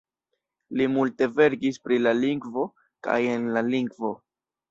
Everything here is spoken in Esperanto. Li multe verkis pri la lingvo kaj en la lingvo.